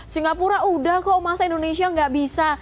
singapura sudah kok masa indonesia tidak bisa